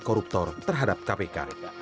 koruptor terhadap kpk